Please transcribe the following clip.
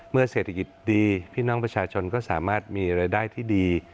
เมื่อเศรษฐกิจดีพี่น้องประชาชนก็สามารถมีรายได้ที่ดี